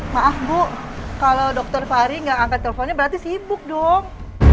maaf bu kalau dokter fahri nggak angkat teleponnya berarti sibuk dong